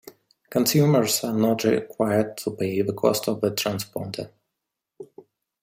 Consumers are not required to pay the cost of the transponder.